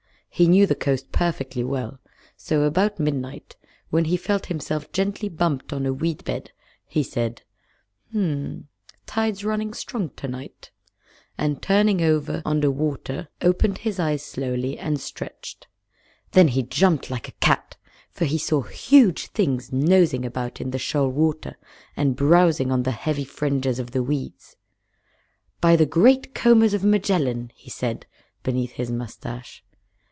He knew the coast perfectly well, so about midnight, when he felt himself gently bumped on a weed bed, he said, "Hm, tide's running strong tonight," and turning over under water opened his eyes slowly and stretched. Then he jumped like a cat, for he saw huge things nosing about in the shoal water and browsing on the heavy fringes of the weeds. "By the Great Combers of Magellan!" he said, beneath his mustache.